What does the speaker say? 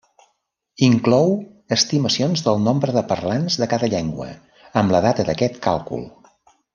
Inclou estimacions del nombre de parlants de cada llengua amb la data d'aquest càlcul.